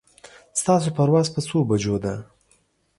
ستاسو پرواز په څو بجو ده